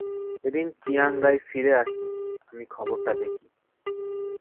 যেদিন Chiang Rai ফিরে আসি, আমি খবরটা দেখি।